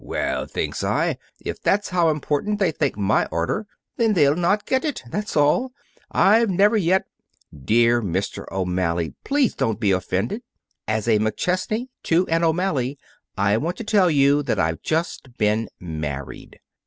Well, thinks I, if that's how important they think my order, then they'll not get it that's all. I've never yet " "Dear Mr. O'Malley, please don't be offended. As a McChesney to an O'Malley, I want to tell you that I've just been married."